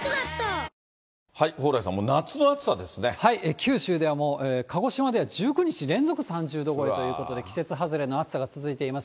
九州ではもう、鹿児島では１９日連続３０度超えということで、季節外れの暑さが続いています。